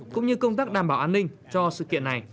cũng như công tác đảm bảo an ninh cho sự kiện này